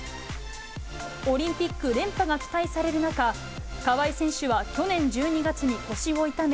オリンピック連覇が期待される中、川井選手は去年１２月に腰を痛め、